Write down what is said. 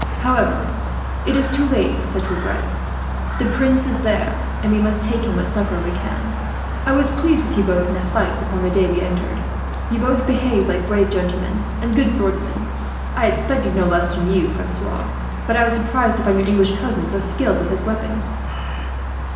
However, it is too late for such regrets. The Prince is there, and we must take him what succour we can. "I was pleased with you both, in the fights upon the day we entered. You both behaved like brave gentlemen and good swordsmen. I expected no less from you, Francois; but I was surprised to find your English cousin so skilled with his weapon."